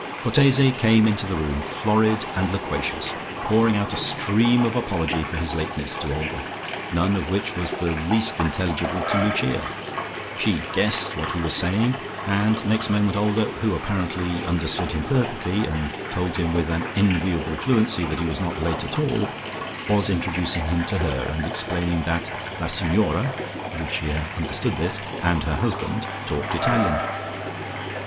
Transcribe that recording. Cortese came into the room, florid and loquacious, pouring out a stream of apology for his lateness to Olga, none of which was the least intelligible to Lucia. She guessed what he was saying, and next moment Olga, who apparently understood him perfectly, and told him with an enviable fluency that he was not late at all, was introducing him to her, and explaining that "la Signora" (Lucia understood this) and her husband talked Italian.